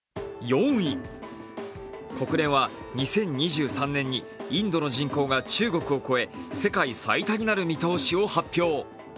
国連は、２０２３年にインドの人口が中国を超え世界最多になる見通しを発表。